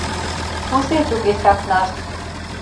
Кузе туге чакнаш?